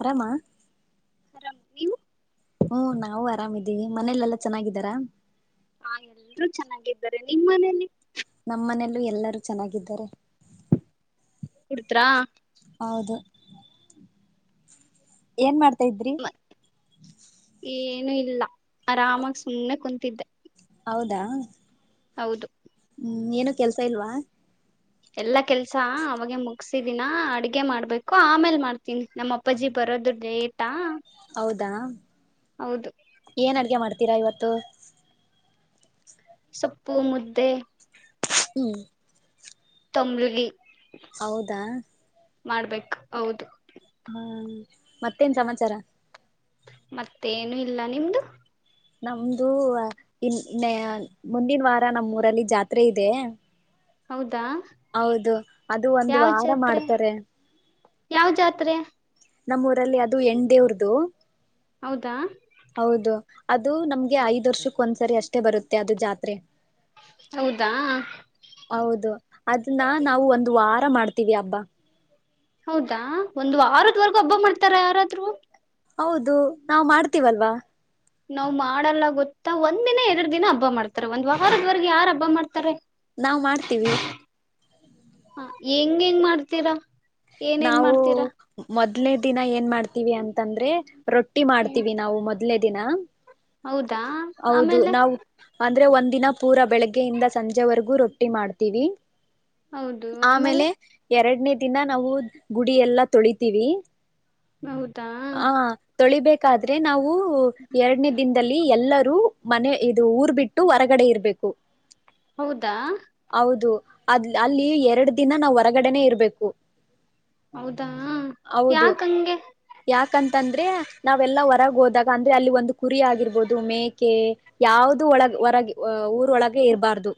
ಅರಾಮ. ಆರಾಮ್ ನೀವು? ಹ್ಮ್ ನಾವು ಆರಾಮಿದ್ದೀವಿ ಮನೇಲೆಲ್ಲಾ ಚೆನ್ನಾಗಿದ್ದಾರ ಹ ಎಲ್ರು ಚೆನ್ನಾಗಿದ್ದಾರೆ ನಿಮ್ ಮನೇಲಿ? ನಮ್ಮನೆಯಲ್ಲೂ ಎಲ್ಲರೂ ಚೆನ್ನಾಗಿದ್ದಾರೆ ಕುತರಾ ಹೌದು ಏನ್ ಮಾಡ್ತ್ ಏನು ಇಲ್ಲ ಆರಾಮಾ ಸುಮ್ಮನೆ ಕೊಂ ಿದ್ದ ಹೌದಾ ಹೌದು. ಹ್ಮ್ ಏನು ಕೆಲ್ಸ ಇಲ್ವಾ? ಎಲ್ಲಾ ಕೆಲ್ ಸಾ ಅವಾಗೆ ಮುಗ್ ಮುಕ್ಸಿದಿನ ಅಡ್ಗೆ ಮಾಡ್ಬೇಕು, ಆಮೇಲ್ ಮಾಡ್ತೀನಿ ನಮ್ಮಪ್ಪಾಜಿ ಬರೋದು ಲೇಟಾ. ಹೌದಾ ಹೌದು ಏನ್ ಅಡ್ಗೆ ಮಾಡ್ತೀರಾ ಇವತ್ತು ಸೊಪ್ಪು ಮುದ್ದೆ ಹೂ ತೊಂಬ್ಲಗಿ ಹೌದ ಮಾಡ್ಬೇಕು ಹೌದು ಹ್ಮ್ ಮತ್ತೇನ್ ಸಮಾಚಾರ ಮತ್ತೇನು ಇಲ್ಲ ನಿಮ್ದು ನಮ್ದು ಇನ್ ಮುಂದಿನ ವಾರ ನಮ್ಮೂಊರಲ್ಲಿ ಜಾತ್ರೆ ಇದೆ ಹೌದ ಹೌದು ಅದು ಒಂದ್ ವಾರ ಮಾಡ್ತಾರೆ ಯಾವ್ ಜಾತ್ರೆ ನಮ್ಮೂರ್ ಹೌದಾ ಹೌದು ಅದು ನಮ್ ಹೆ ಐದ್ ವರ್ಷಕ್ಕೆ ಒಂದ್ ಸರಿ ಅಷ್ಟೇ ಬರುತ್ತೆ ಅದು ಜಾತ್ರೆ ಹೌದಾ ಹೌದು ಅದುನ್ನ ನಾವು ಒಂದು ವಾರ್ ಮಾಡ್ತೀವಿ ಹಬ್ಬಾ ಹೌದಾ ಒಂದ್ ವಾರದ್ವರ್ಗೂ ಹಬ್ಬ ಮಾಡ್ತಾರ ಯಾರಾದ್ರು? ಹೌದು ನಾವ್ ಮಾಡ್ತೀವಲ್ವಾ ನಾವ್ ಮಾಡಲ್ಲ ಗೊತ್ತಾ ಒಂದ್ಿನ ಎರಡ್ ದಿನ ಹಬ್ಬ ಮಾಡ್ತಾರ ಒಂದ್ ವಾರದವರೆಗೆ ಯಾರ ಹಬ್ಬ ಮಾಡ್ತಾರೆ ನಾವವು್ ಮಾಡ್ತೀವಿ ಹ ಹೆಂಗ ಹೆಂಗ್ ಮಾಡ್ತೀರಾ ಏನೇನ್ ನಾವು ಮಾಡ್ತೀರಾ ಮೊದ್ನೇ ದಿನ ಏನ್ ಮಾಡ್ತೀವಿ ಅಂತಂದ್ರೆ ರೊಟ್ಟಿ ಏನ್ ಮಾಡ್ತೀವಿ ನಾವು ಮೊದ್ ಇಡ್ಲೇ ದಿನ ಹೌದಾ ಹೌದು ಆಮೇಲೆ ನಾವು್ ಅಂದ್ರೆ ಒಂದ ದಿನ ಪೂರಾ ಬೆಳಗ್ಗೆಯಿಂದ ಸಂಜೆವರೆಗೂ ರೊಟ್ಟಿ ಮಾಡ್ತೀವಿ ಆಮೇಲೆ ಎರಡನೇ ದಿನ ನಾವು ಗುಡಿ ಎಲ್ಲಾ ತೊಳಿತೀವಿ ಹೌದಾ ಹ ತೊಳಿಬೇಕಾದ್ರೆ ನಾವು ಎರಡನೇ ದಿನದಲ್ಲಿ ಎಲ್ಲ ಮನೆ ಇದು ಊರ್ ಬಿಟ್ಟು ಹೊರಗಡೆ ಇರ್ಬೇಕು ಹೌದಾ ಹೌದು ಅದ್ ಅಲ್ಲಿ ಎರಡು ದಿನ ನಾವ್ ಹೊರಗಡೆನೆೇ ಇರ್ಬೇಕು ಹೌದಾ ಹೌದು ಯಾಕಂಗೆ ಯಾಕಂತಂದ್ರೆ ನಾವೆಲ್ಲಾ ಹೊರಗೆ ಹೋದಾಗ ಅಂದ್ರೆ ಅಲ್ಲಿ ಒಂದು ಕುರಿ ಆಗಿರ್ಬೋದು ಮೇಕೆ ಯಾವ್ದು ಒಳಗ ಹೊರಗೆ ಊರೊಳಗೆ ಇರಬಾರ್ದು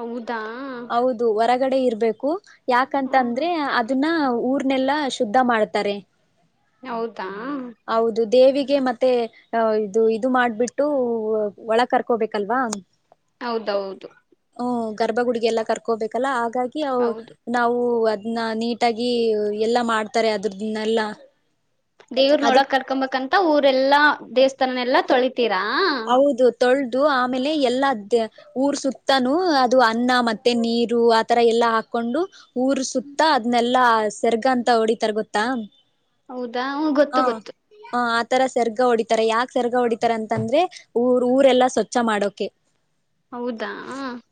ಹೌದು ಹೌದು ಹೊರಗಡೆ ಇರ್ಬದು ಬೇಕು ಯಾಕಂತ ಹ್ಮ್ ಅಂದ್ರೆ ಅದನ್ನ ಊರ್ನೆಲ್ಲಾ ಶುದ್ಧ ಮಾಡ್ತಾರೆ ಹೌದಾ ಗೆ ಮತ್ತೆ ಅ ಇದು ಇದು ಮಾಡ್ಬಿಟ್ಟು ಒಳ ಕರ್ಕೋಬೇಕಲ್ವಾ ಹೌದೌದು ಹ ಗರ್ಬ ಗುಡಿ ಎಲ್ಲ ಕರ್ಕೋಬೇಕಲ್ಲಾ ಹಾಗಾಗಿ ಹೌದು ನಾವು ನ್ನ ನೀಟಾಗಿ ಎಲ್ಲಾ ಮಾಡ್ತಾರೆ ಅದ್ರದನ್ನ ಎಲ್ಲಾ ದೇವ್ರ ನೋಡಕ್ ಕರ್ಕೊಂಬಂತ ಊರೆಲ್ಲಾ ದೇವಸ್ಥಾನ ಎಲ್ಲ ತೊಳಿತ ಹತೀರಾ ದು ಆಮೇಲೆ ಎಲ್ಲ ಊರ್ ಸುತ್ತಾನೂ ಅದು ಅನ್ನ ಮತ್ತೆ ನೀರು ಆತರ ಎಲ್ಲಾ ಹಾಕೊಂಡು ಊರ್ ಸುತ್ತ ಅದನೆಲ್ಲಾ ಸೆರ್ಗ ಅಂತ ಹೊಡಿತಾರ ಗೊತ್ತಾ ಹೌದು ಹ ಹ ಆ ತರ ಸರ್ಗ ಹೊಡಿತಾರೆ ಯಾಕ ಸರ್ಗ ಹೊಡಿತಾರೆ ಅಂತಂದ್ರೆ ಊರ್ ಊರೆಲ್ಲಾ ಸ್ವಚ್ಛ ಮಾಡೋಕೆ ಹೌದಾ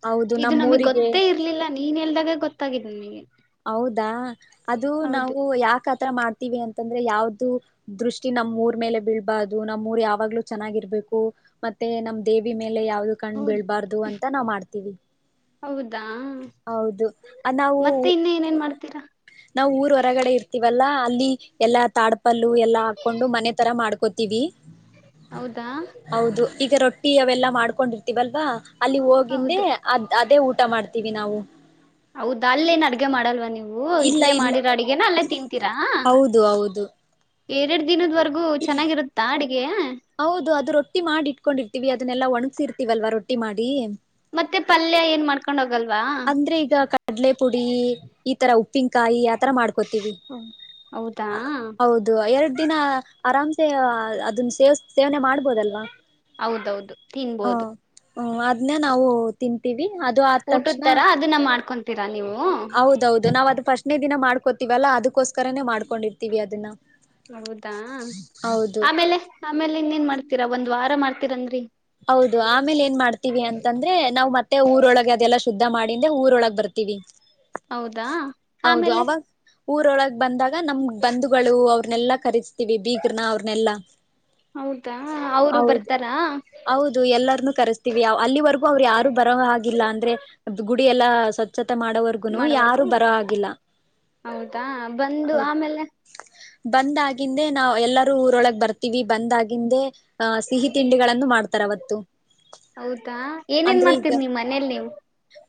ಹೌದು ಇದು ನಮ್ಮ್ ನಮಗ್ ಊರಿಗೆ ಗೊತ್ತೇ ಇರ್ಲಿಲ್ಲ ನೀನ್ ಎಲ್ದಾಗ ಗೊತ್ತಾಗಿದೆ ನಿಮಗೆ ಹೌದಾ ಅದು ನಾವು ಯಾಕ ಮಾಡ್ತೀವಿ ಅಂತಂದ್ರೆ ಯಾವ್ದು ದೃಷ್ಟಿ ನಮ್ಮ್ ಊರ್ ಮೇಲೆ ಬೀಳ್ಬಾರ್ದದು ನಮ್ಮ್ ಊರ್ ಯಾವಾಗ್ಲೂ ಚೆನ್ನಾಗಿರ್ಬೇಕು ಮತ್ತೆ ನಮ್ ದೇವಿ ಮೇಲೆ ಯಾವ್ದ ಕಣ್ ಹೌದು ಬೀಳ್ಬಾರ್ದು ಅಂತ ನಾವಮಾಡ್ತೀವಿ ಹೌದಾ ಹೌದು ನಾವು ಮತ್ತೆ ಇನ್ನ ಏನೇನ್ ಮಾಡ್ತೀರಾ ನಾವ್ ಊರ್ ಹೊರಗಡೆ ಇರ್ತವಲ್ಲಾ ಅಲ್ಲಿ ಎಲ್ಲಾ ತಾಡ್ಪಲ್ಲು ಎಲ್ಲಾ ಹಾಕೊಂಡು ಮನೆ ತರ ಮಾಡ್ಕೋತೀವಿ ಹೌದಾ ಹೌದು ಈಗ ರೊಟ್ಟಿ ಟೀ ಅವೆಲ್ಲಾ ಮಾಡ್ಕೊಂಡಿರ್ತೀವಲ್ವಾ ಅಲ್ಲಿ ಹೋಗಿಂದೆ ಹೌದು ಅದು ಅದೇ ಊಟ ಮಾಡ್ತೀವಿ ನಾವು ಹೌದ ಅಲ್ಲ ಏನ್ ಅಡ್ಗೆ ಮಾಡಲ್ವ ನೀವು್ ಹ ಇಲ್ಲ ಇಲ್ಲೇ ಇಲ್ಲ ಮಾಡಿರ ಅಡ್ಗೇನ ಅಲ್ಲೇ ತಿಂತೀರಾ ಹೌದು ಹೌದು ಎರಡು ದಿನವರಗು ಹೌದು ಅದು ರೊಟ್ಟಿ ಮಾಡಿ ಇಟ್ಕೊಂಡಿರ್ತೀವಿ ಅದನ್ನೆಲ್ಲ ಒಣಗ್ಸಿರ್ತವಿ ಇಲವಲ್ವಾ ರೊಟ್ಟಿ ಮಾಡಿ ಮತ್ತೆ ಪಲ್ಯ ಏನ್ ಮಾಡ್ಕೊಂಡ್ ಹೋಗ ಅಂದ್ರೆ ಈಗ ಕಡಲೆ ಪುಡಿ ಈ ತರ ಉ ಪಿಂಕ್ ಇತರ ಮಾಡ್ಕೋತೀವಿ ಹೌದಾ ಹೌದು ಎರಡು ದಿನ ಆರಾಮ್ಸೆ ಅದನ್ನ ಸೇವ ಸೇವನೆ ಮಾಡ್ಬೋದಲ್ವಾ ಹೌದೌದು ತಿನ್ಬೋದು ಹ್ಮ ಅದ್ನ್ನೇ ನಾವು ತಿನ್ ಊಟದ ತರ ಅದನ್ನ ಮಾಡ್ಕೊಂತ ತಿಂತಿರಾ ನೀವು ಹೌದೌದು ನಾವ್ ಅದು ಪಟ್ನೆ ದಿನ ಮಾಡ್ಕೋತಿವಲ್ಲಾ ಅದಕ್ಕೋಸ್ಕರನೇ ಮಾಡ್ಕೊಂಡಿರ್ತೀವಿ ಅದನ್ನ ಹೌದಾ ಹೌದು ಆಮೇಲೆ ಆಮೇಲೆ ಇನ್ನೇನ್ ಮಾಡ್ತರ ಒಂದ್ ವಾರ ಮಾಡ್ತೀನಿ ಅಂದ್ರಿ ಹೌದು ಆಮೇಲೆ ಏನ್ ಮಾಡ್ತೀವಿ ಅಂತಂದ್ರೆ ನಾವ್ ಮತ್ತೆ ಊರೊಳಗೆ ಅದೆಲ್ಲ ಶುದ್ಧ ಮಾಡಿಂದೆ ಊರೊಳಗ್ ಬರ್ತೀವಿ ಹೌದಾ ಹೌದು ಆಮೇಲೆ ಅವಾಗ ಊರೊಳಗ್ ಬಂದಾಗ ನಮ್ಗ್ ಬಂಧುಗಳು ಅವ್ರನೆೆಲ್ಲಾ ಕರಸ್ತೀವಿ ಬೀಗರನ ಅವ್ರನೆಲ್ಲಾ ಹೌದಾ ಅವರು ಬರ್ತಾರಾ ದು ಎಲ್ಲರನ್ನುೂ ಕರಿಸ್ತೀವಿ ಅಲ್ಲಿವರೆಗೂ ಅವ್ರು ಯಾರು ಬರೋವಾಗಿಲ್ಲ ಅಂದ್ರೆ ಗುಡಿ ಎಲ್ಲ ಸ್ವಚ್ಛತೆ ಮಾಡೋವರ್ಗುನು ಯಾರು ಮಾಡೋವರ್ಗೂ ಬರೋಹಾಗಿಲ್ಲ ಹೌದಾ ಬಂದು ಹೌದು. ಆಮೇಲೆ ಬಂದ್ ಆಗಿಂದೆ ನಾವವು ಎಲ್ಲರೂ ಊರೊಳಗ್ ಬರ್ತೀವಿ ಬಂದ್ ಆಗಿಂದೆ. ಆ ಸಿಹಿ ತಿಂಡಿಗಳನ್ನು ಮಾಡ ತರವತ್ತು. ಹೌದಾ ಏನ್ ಏನ್ ಮಾಡ್ತೀರಿ ನೀವ್ ಮನೇಲಿ ನೀವು.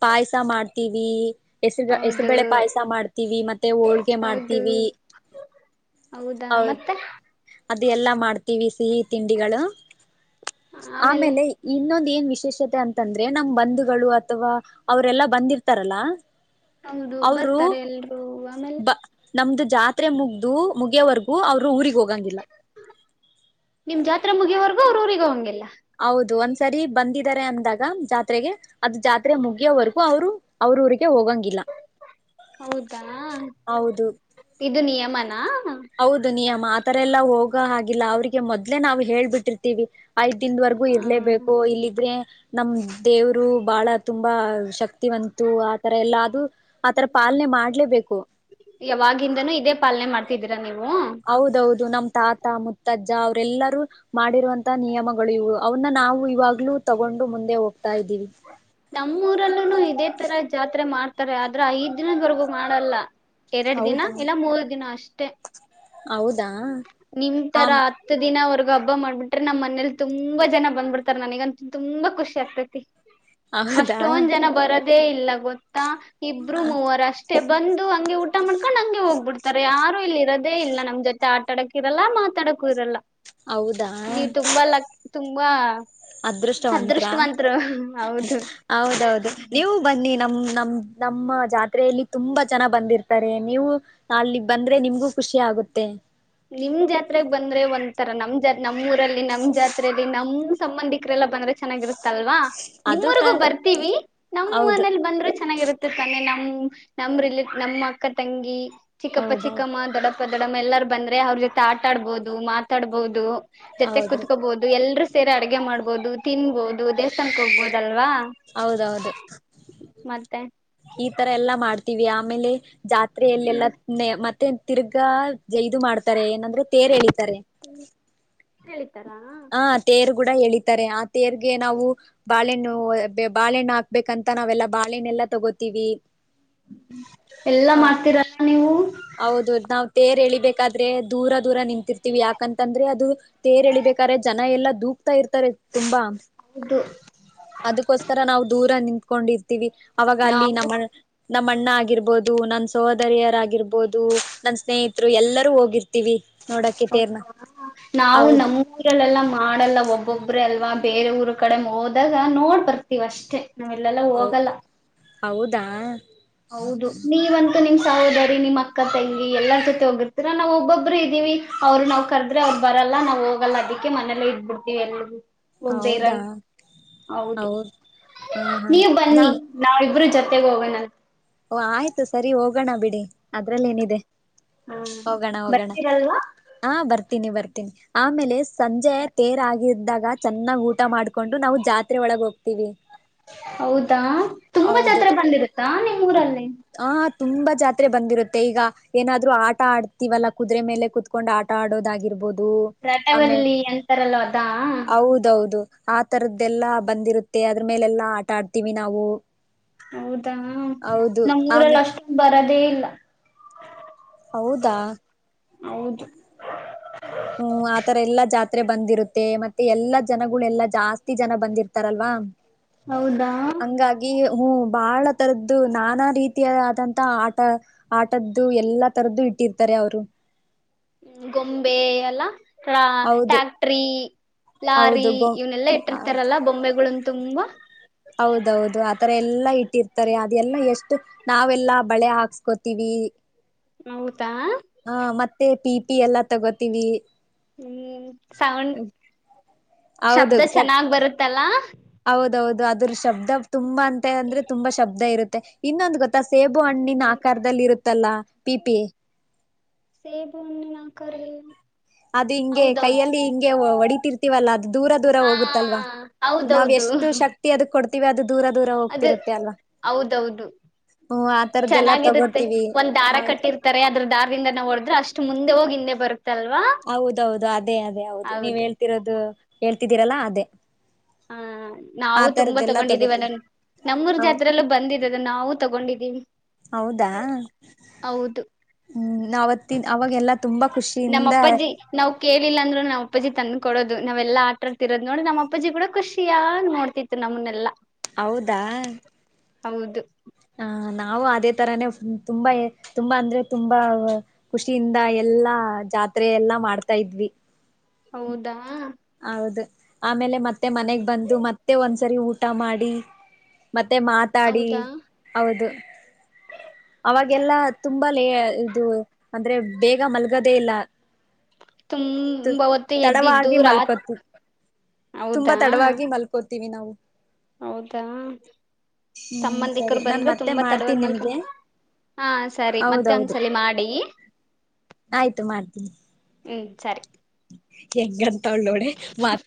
ಪಾಯಸ ಮಾಡ್ತೀವಿ. ಹೆಸರು ಹೌದು ಹೆಸರುಬಳೆ ಪಾಯಸ ಮಾಡ್ತೀವಿ ಮತ್ತೆ ಹೋಳ್ಗೆ ಹೌದು ಮಾಡ್ತೀವಿ, ಹೌದಾ ಹೌದು. ಮತ್ತೆ ಅದೆ ಎಲ್ಲಾ ಮಾಡ್ತೀವಿ ಸಿಹಿ ತಿಂಡಿಗಳು. ಆಮೇಲೆ ಇನ್ನೊಂದು. ಏನ್ ವಿಶೇಷತೆ ಅಂತಂದ್ರೆ ನಮ್ ಬಂಧುಗಳು ಅಥವಾ ಅವರೆೆಲ್ಲಾ ಬಂದಿರ್ತಾರಲ್ಲ. ಹೌದು ಅವರು ಬರ್ತಾರೆ ಎಲ್ರುೂ ಆಮೇಲೆ ಬ ನಮ್ದು ಜಾತ್ರೆ ಮುಗ್ದು ಮುಗಿಯವರೆಗೂ ಅವರು ಊರಿಗೆ ಹೋಗ ನಿಮ್ ಜಾತ್ರೆ ಮುಗಿಯವರೆಗು ಅವರು ಅವ್ರ ಊರಿಗೆ ಹೋಗಂಗಿಲ್ಲ. ಹೌದು ಒಂದ್ಸರಿ ಬಂದಿದ್ದಾರೆ ಅಂದಾಗ ಜಾತ್ರೆಗೆ ಅದು ಜಾತ್ರೆ ಮುಗಿಯವರೆಗೂ ಅವರು ಅವ್ರ ಅವರೂರಿಗೆ ಹೋಗಂಗಿಲ್ಲ ಹೌದಾ ಹೌದು. [unintelligible] ಹೌದು ನಿಯಮ ಆತರ ಎಲ್ಲಾ ಹೋಗೋ ಹಾಗಿಲ್ಲ ಅವ್ರಿಗೆ ಮೊದ್ಲೇ ನಾವ್ ಹೇಳಿ ಬಿಟರ್ತೀವಿ. ಐದ್ ದಿನದವರೆಗೂ ಇರ್ಲೇಬೇಕು ಇಲ್ಲಿದ್ರೆ. ನಮ ದೇವ್ರು ಬಹಳ ತುಂಬಾ ಶಕ್ತಿವಂತು ಆತರ ಎಲ್ಲ ಅದು ಆತರ ಪಾಲನೆ ಮಾಡ್ಲೇಬೇಕು. ಯಾವಾಗಿಂದನೂ ಇದೇ ಪಾಲನೆ ಮಾಡ್ತಿದ್ದೀರಾ ನೀವು. ಹೌದೌದು ನಮ್ ತಾತ ಮುತ್ತಜ್ಜ ಅವ್ರೆಲ್ಲಾರೂ, ಮಾಡಿರುವಂತ ನಿಯಮಗಳು ಇವು ಅವನ್ನ ನಾವು ಇವಾಗ ತಗೊಂಡು ಮುಂದೆ ಹೋಗ್ [unintelligible] ಇದ್ದೀವಿ. ನಮ್ಮ್ ಊರಲ್ಲೂ ಇದೇ ತರ ಜಾತ್ರೆ ಮಾಡ್ತಾರೆ ಆದ್ರ ಐದ್ ದಿನದವರ್ಗು ಮಾಡಲ್ಲ. ಎರಡು ದಿನ ಇಲ್ಲ ಮೂರು ದಿನ ಅಷ್ಟೆ. ಹೌದು. ನಿಮ ತರ ಹತ್ತು ದಿನವರೆಗೂ ಈಗ ಹಬ್ಬ ಮಾಡ್ಬಿಟ್ರೆ ನಮ್ಮ್ ಮನೇಲಿ ತುಂಬಾ ಜನ ಬಂದ್ಬಿಡ್ತಾರೆ ನನಗಂತ ತುಂಬಾ ಖುಷಿ ಆಗ್ತೈತಿ. ಹೌದಾ ಅಷ್ಟೊಂದ ಜನ ಬರೋದು. ಇದೇ ಇಲ್ಲ ಗೊತ್ತ ಈಗ ಇಬ್ರು ಮೂವರ ಅಷ್ಟ ಬಂದು ಹಂಗೆ ಊಟ ಮಾಡ್ಕೊಂಡ್ ಹಂಗೆ ಹೋಗ್ಬಿಡ್ತಾರೆ ಯಾರು ಇಲ್ಲಿ ಇರೋದೇ ಇಲ್ಲ ನಮ್ ಜೊತೆ ಆಟ ಆಡಕ್ಕೆ. ಇದೆಲ್ಲ ಮಾತಾಡಕ್ಕೂ ಇರಲ್ಲ. ಹೌದಾ ನೀವ್ ತುಂಬಾ ಲಕ್ ತುಂಬಾ ಅದೃಷ್ಟವಂತರು ಅದೃಷ್ಟವಂತ್ರತ್ರ ಹೌದು. ಹೌದೌದು ನೀವು ಬನ್ನಿ ನಮ ನಮ ನಮ್ಮ ಜಾತ್ರೆಯಲ್ಲಿ ತುಂಬಾ ಜನ ಬಂದಿರ್ತಾರೆ ನೀವು ಅಲ್ಲಿ ಬಂದ್ರೆ ನಿಮ್ಗೂ ಖುಷಿ ಆಗುತ್ತೆ ನಿಮ್ ಜಾತ್ರೆಗ್ ಬಂದ್ರೆ ಒಂಂತರ ನಮ್ ಜಾತ್ರೆ ನಮ್ಮೂಊರಲ್ಲಿ ನಮ್ ಜಾತ್ರೆಯಲ್ಲಿ ನಮ್ ಸಂಬಂಧಿಕರೆಲ್ಲ ಬಂದ್ರೆ ಚೆನ್ನಾಗಿರುತ್ತಲ್ವಾ ಅದು ನಿಮ್ಮ್ರಿಗೂ ಕ ಬರ್ತೀವಿ ನಮ್ಮ್ ಹೌದು ಮನೇಲಿ ಬಂದ್ರೆ ಚೆನ್ನಾಗಿರುತ್ತೆ ತಾನೆ ನಮ್ ನಮ್ ರಿ ನಿಸ್ಮ್ ಅಕ್ಕ ತಂಗಿ ಚಿಕ್ಕಪ್ಪ ಹೌದೌದು ಚಿಕ್ಕಮ್ಮ ದೊಡಪ್ಪ ದಪ್ಪ ಯಲ್ಲರು ಬೇಂದ್ರೆ ಅವರ ಜೊತೆ ಆಟ್ಟಾವಾಡಬಹುದು, ಮಾತೋಡಬಹುದು ಜೊತೆಗ ಹೌದ್ರಿ ಕೂತ್ಕೊಬೋದು ಎಲ್ರು ಅಡುಗೆ ಮಾಡಬಹುದು, ತಿಂಬೋದು, ದೇವಸ್ಥಾನದಳಕ್ಕೆ ಹೋಗಬಹುದು ಅಲ್ಲವಾ. ಹೌದು, ಹೌದು ಮತ್ತೆ ಈ ತರ ಎಲ್ಲ ಮಾಡ [unintelligible] ಜಾತ್ರೆಯಲ್ಲೆಲ್ಲ ಚಿಂತನೆ ಮ್ತ [unintelligible] ಇದು ಮಾಡ್ತಾರೆ, ಏನು ಅದು? ತೇರು ಎಳಿಯ್ತಾರೆ. ಹೇಳಿತಾರಾ ಆ ತೇರು ಕೂಡ ಎಳಿ ತೇರಿಗೆ ನಾವು ಬಾಳೆಹಣ್ಣು ಣ್ಣೂ ಬಾಲೆನಾಕ್ಪಿಕಂತ ನಾವೆಲ್ಲ ಬಾಲೆನೆಲ್ಲ ತಗೊತ್ತಿವಿ ಎಲ್ಲಾ ಮಾಡ್ತೀರಲ್ಲಾ ನೀವು? ಹೌದು, ನಾವ್ ತೇರು ಎಳಿಬೇಕಾದ್ರೆ ದೂರ ದೂರ ನಿಂತಿರ್ತೀವಿ. ಯಾಕಂದ್ರೇ ಅದು ತೇರು ಎಳಿಬೇಕಾದ್ರೆ ಜನ ದೂಪ್ತ ಇರ್ತಾರೆ ತುಂಬ. ಹೌದು ಅದು ಕ್ಕೋಸ್ಕರ ನಾವು ದೂರ ನಿಂತ್ [unintelligible] ಅವಾಗ ಅಲ್ಲಿ ನಾವು ನಂಹಾ ನಮ್ಮ ಅಣ್ಣ ಆಗಿರಬಹುದು, ನಮ್ಮ ಸಹೋದರಿಯರಾಗಿರ್ಬೋದು ರ್ಬೋದು.. ನಾನ್ ಸ ಸ್ನೇಹಿರ್ತು ಎಲ್ಲರೂ ಹೋಗಿರ್ [inaudible] [inaudible] [inaudible] ಹೌ ಹೌದಾ [inaudible] ನಿಮ್ ಸಹೋದರಿ ನಿಮ್ ಅಕ್ಕ ತಂಗಿ ಎಲ್ಲಾ ಜೊತೆ ಹೋಗುತ್ತೀರಾ ನಾವು ಒಬ್ಬೊಬ್ರೆ ಇದೀವಿ ಅವರ ನಾವ್ ಕಾರಡ್ರೆ ಅವ್ರ ಬರಲ್ಲ ನಾವ್ ಹೋಗಲ್ಲ ಅದಕ್ಕೆ ಮನೇಲೆ ಇಡ್ಬಿಡ್ತೀವಿ ಎಲ್ಲಿಗೂ ಹೌದಾ ಹೌದು ಹೌದ ಹಾ ಹಾ ನೀವು ನಾ ಬನ್ನಿ ನಾವಿಬ್ರೂ ಜೊತೆಗ್ ತೆಗೋಣ ಓ ಆಯಿತು ಸರಿ ಹೋಗಣ ಬಿಡಿ ಅದರಲ್ಲೇನಿದೆ ಹಾ ಬರ್ತೀರಲ್ವಾ ಟಿನಿ ಬರ್ತಿನಿ ಆಮೇಲೆ ಸಂಜೆ ತೆರಗಿದ್ದಾಗ ಈ ಚೆನ್ನಾಗ್ ಊಟ ಮಾಡ್ಕೊಂಡು ನಾವು ಜಾತ್ರೆ ಒಳಗ ಹೋಗ್ತಿೀವಿ ಹೌದಾ ತುಂಬಾ ಜಾತ್ರೆ ಬಂದಿರುತ್ತಾ ನಿಮ್ ಊರಲ್ಲಿ ಆ ತುಂಬಾ ಜಾತ್ರೆ ಬಂದಿರುತ್ತೆ ಈಗ ಏನಾದ್ರು ಆಟ ಆಡ್ತಿೀವಲ್ಲ ಕುದುರೆ ಮೇಲೆ ಕುೂತ್ಕೊಂಡು ಆಟ ಆಡೋದಾಗಿರ್ಬೋದು ಆಮೇ ರಟವಲ್ಲಿ ಎಂತಾರಲ್ಲ ಅದಾ ಹೌದೌದು ಆ ತರದ್ದೆಲ್ಲಾ ಬಂದಿರುತ್ತೆ ಅದ್ರ ಮೇಲೆಲ್ಲಾ ಆಟ ಆಡ್ತೀವಿ ನಾವು ಹೌದಾ ಹ್ಮ ಹೌದು ನಮ್ಮ್ಊರಲ್ಲಿ ಆಮೇ ಅಷ್ಟು ಬರದೇ ಇಲ್ಲ ಹೌದಾ ಹೌದು ಹ್ಮ್ ಆತರ ಎಲ್ಲಾ ಜಾತ್ರೆ ಬಂದಿರುತ್ತೆ ಮತ್ತೆ ಎಲ್ಲಾ ಜನಗಳೆಲ್ಲಾ ಜಾಸ್ತಿ ಜನ ಬಂದಿರ್ತಾರಲ್ವಾ ಹೌದಾ ಹಂಗಾಗಿ ಹ್ಮ್ ಬಹಳ ತರದ್ದು ನಾನಾ ರೀತಿಯಾದಂತ ಆಟ ಆಟದ್ದು ಎಲ್ಲಾ ತರದ್ದು ಇಟ್ಟಿರ್ತಾರೆ ಅವರು ಹ್ಮ್ ಗೊಂಬೆ ಎಲ್ಲ ಹೌದು ಟ್ಯಾಕ್ಟ್ರಿ ಲಾರಿ ಹೌದು ಗೊ ಇವನೆಲ್ಲಾ ಇಟ್ಟಿರ್ತಾರಲ್ಲ ಬೊಂಬೆಗಳನ್ ತುಂಬಾ ತಾರೆ ಎಲ್ಲ ಇ ಟ್ಟಿರ್ತಾರೆ ಅದೆಲ್ಲ ಎಷ್ಟ ನಾವೆಲ್ಲಾ ಬಳೆ ಹಾಕ್ಸ್ಕೋತೀವಿ ಹೌದಾ ಹಾ ಮತ್ತೆ ಪಿ ಪಿ ಎಲ್ಲಾ ತಗೋತೀವಿ ಹ್ಮ್ ಸೌಂಡ್ ಹೌದು ಶಬ್ದ ಚೆನ್ನಾಗ್ ಬರುತ್ತಲ್ಲಾ ಹೌದೌದು ಅದ್ರ ಶಬ್ದ ತುಂಬಾ ಅಂತೆ ಅಂದ್ರೆ ತುಂಬಾ ಶಬ್ದ ಇರುತ್ತೆ ಇನ್ನೊಂದು ಗೊತ್ತ ಸೇಬು ಹಣ್ಣಿನ ಆಕಾರದಲ್ಲಿ ಇರುತ್ತಲ್ಲ ಪಿಪಿ ಸೇಬ್ಣ ನಾ ಕರ ಅದು ಹಿಂಗೆ ಕೈಯಲ್ಲಿ ಹಿಂಗೆ ಹೊಡಿತಿರ್ತೀವಲ್ಲ ಅದು ದೂರ ದೂರ ಹಾ ಹೋಗುತ್ತಲ್ವಾ ನಾವ್ ಎಷ್ಟು ಶಕ್ತಿ ಅದ ಕೊಡ್ತ ಅದ ಹೌದೌದು ಹ್ಮ್ ಆ ತರದ್ದೆಲ್ಲಾ ಚೆನ್ನಾಗಿರುತ್ತೆ ತಗೊಳ್ತೀವಿ ಒಂದ್ ದಾರ ಹೌದ್ ಕಟ್ಟಿರ್ತಾರೆ ಅದ್ರ ದಾರದಿಂದ ನಾವು ಹೊಡದ್ರೆ ಅಷ್ಟು ಮುಂದೆ ಹೋಗಿ ತೇಬರ್ ಹೌದೌದು ಅದೇ ಅದೇ ಹೌದು ನೀವ್ ಹೇಳ್ತಿರೋದು ಹೇಳ್ತಿದ್ದೀರಲ್ಲಾ ಅದೇ ಹ ಆ ನಾವು ತುಂಬಾ ತರದ್ದೆಲ್ಲಾ ತಗೊಂಡಿದೀವ ತಗೋತೀವಿ ನನ್ ನಮ್ಮೂರ್ ಹೌ ಜಾತ್ರೆಲ್ಲ ಬಂದಿದ್ದ ಅದ ನಾವು ತಗೊಂಡಿದೀವಿ ಹೌದಾ ಹೌದು ಅವವಾಗೆಲ್ಲ ನಮ್ಮ ಅಪ್ಪಾಜಿ ನಾವ್ ಕೇಳಿಲ್ಲ ಅಂದ್ರು ನಮ್ಮ ಅಪ್ಪಾಜಿ ತನ್ ಕೊಡೋದು ನಾವೆಲ್ಲ ಆಟಾಡ್ತಿರೋದು ನೋಡಿ ನಮ್ಮ ಅಪ್ಪಜಿ ಕೂಡ ಖುಷಿಯಾಗಿ ನೋಡ್ತಿತ್ತು ನಮ್ಮನೆಲ್ಲಾ ಹೌದು ಹ ನಾವು ಅದೇ ತರಾನೇ ತುಂಬಾ ತುಂಬಾ ಅಂದ್ರೆ ತುಂಬಾ ಖುಷಿಯಿಂದ ಎಲ್ಲಾ ಜಾತ್ರೆ ಎಲ್ಲಾ ಮಾಡ್ತಾ ಇದ್ವಿ ಹೌದಾ ಹೌದು ಆಮೇಲೆ ಮತ್ತೆ ಮನೆಗ್ ಬಂದು ಮತ್ತೆ ಒಂದ್ಸರಿ ಊಟ ಮಾಡಿ ಮತ್ತೆ ಮಾತಾಡಿ ಹೌದಾ ಹೌದು ಅವಾಗೆಲ್ಲ ತುಂಬ ಲೇ ಇದು ಅಂದ್ರೆ ಬೇಗ ಮಲ್ಗದೇ ಇಲ್ಲ ತು ತುಂಬ ಹೊತ್ತು ಎದ್ದಿದ್ದು ತಡವಾಗಿ ರಾತ್ ತುಂಬಾ ಹೌದಾ ತಡವಾಗಿ ಮಲ್ಕೋತಿ ತಿವಿ ನಾವು ಹೌದಾ ಹ್ಮ್ ಸರಿ ಸಂಬಂಧಿಕರು ನಾನ್ ಬಂದ್ರೆ ಮತ್ತೆ ತುಂಬಾ ಮಾಡ್ತೀನಿ ನಿಮ್ಗೆ ತಡವಾಗ್ಮೇಲ್ಕಂತ ಹಾ ಸರಿ ಮತ್ತೆ ಹೌದೌದು ಒಂದ್ಸಲಿ ಮಾಡಿ ಹ್ಮ್ ಸರಿ ಹೆಂಗ ತಳ್ಳೋಡೆ ವ